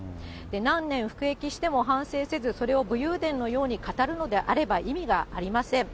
何年服役しても反省せず、それを武勇伝のように語るのであれば意味がありません。